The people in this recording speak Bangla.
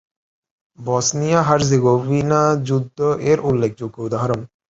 বসনিয়া-হার্জেগোভিনা যুদ্ধ এর উল্লেখযোগ্য উদাহরণ।